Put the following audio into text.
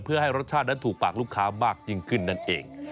เพื่อให้รสชาตินั้นถูกปากลูกค้ามากยิ่งขึ้นนั่นเอง